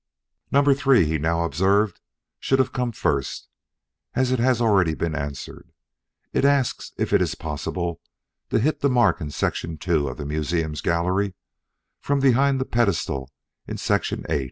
"Number Three," he now observed, "should have come first, as it has already been answered. It asks if it is possible to hit the mark in Section II of the museum's gallery, from behind the pedestal in Section VIII.